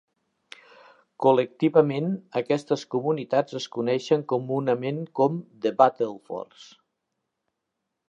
Col·lectivament, aquestes comunitats es coneixen comunament com "The Battlefords".